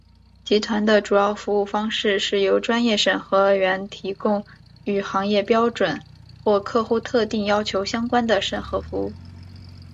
集团的主要服务方式是由专业审核员提供与行业标准或客户特定要求相关的审核服务。